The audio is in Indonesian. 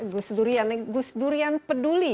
gus durian peduli